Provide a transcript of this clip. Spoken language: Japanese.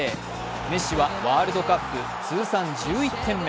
メッシはワールドカップ通算１１点目。